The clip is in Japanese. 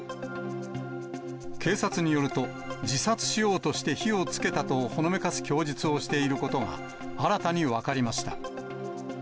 警察によると、自殺しようとして火をつけたとほのめかす供述をしていることが、新たに分かりました。